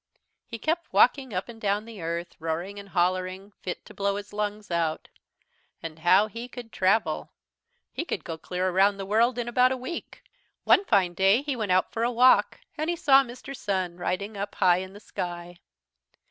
He kept walking up and down the earth, roaring and hollering fit to blow his lungs out. And how he could travel! He could go clear around the world in about a week. "One fine day he went out for a walk and he saw Mr. Sun riding up high in the sky.